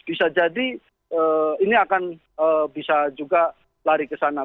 bisa jadi ini akan bisa juga lari kesana